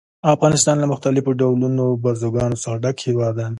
افغانستان له مختلفو ډولونو بزګانو څخه ډک هېواد دی.